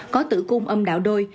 có tử cung âm đạo đôi